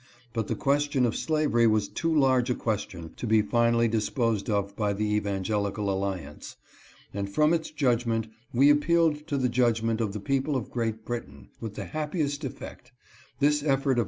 But the question of slavery was too large a question to be finally disposed of by the Evangelical Alliance, and from its judgment we appealed to the judgment of the people of Great Britain, with the happiest effect — this effort of 314 LORD MORPETH AND DR. KIRK.